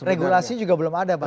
regulasi juga belum ada pak